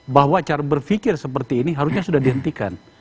bahwa cara berpikir seperti ini harusnya sudah dihentikan